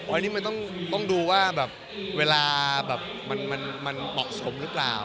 อันนี้มันมันต้องดูว่าเวลามันมอบสมหรือเปล่า